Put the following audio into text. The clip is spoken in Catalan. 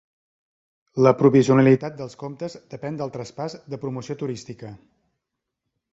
La provisionalitat dels comptes depèn del traspàs de promoció turística.